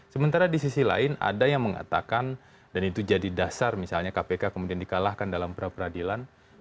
sementara di sisi lain ada yang mengatakan dan itu jadi dasar misalnya kpk kemudian dikalahkan dalam pra peradilan